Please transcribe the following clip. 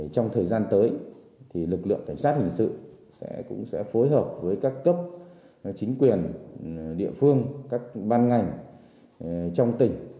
trong thời gian tới lực lượng cảnh sát hình sự cũng sẽ phối hợp với các cấp chính quyền địa phương các ban ngành trong tỉnh